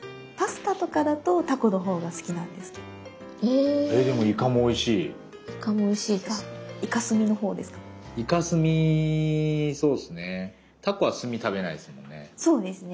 タコは墨食べないですもんね。